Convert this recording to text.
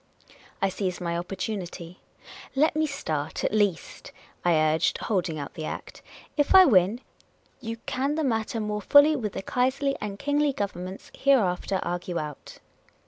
I seized my opportunity. " Let me start, at least," I urged, holding out the Act. " If I win, you can the matter more fully with the Kaiserly and Kingly Governments here after argue out."